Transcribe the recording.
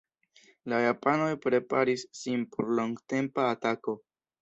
La japanoj preparis sin por longtempa atako.